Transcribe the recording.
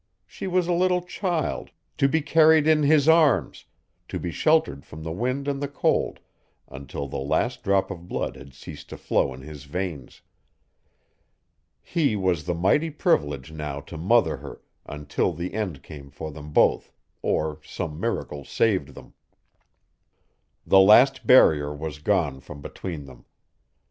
She was a little child, to be carried in his arms, to be sheltered from the wind and the cold until the last drop of blood had ceased to flow in his veins. His was the mighty privilege now to mother her until the end came for them both or some miracle saved them. The last barrier was gone from between them.